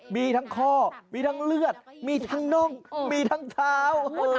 มีทั้งข้อมีทั้งเลือดมีทั้งน่องมีทั้งเท้า